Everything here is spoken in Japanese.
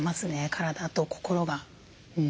体と心が。